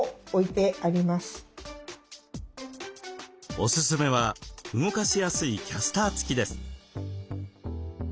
おすすめは動かしやすいキャスター付きです。